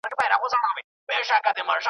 چي هر څو یې زور کاوه بند وه ښکرونه .